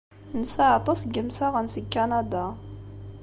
Nesɛa aṭas n yimsaɣen seg Kanada.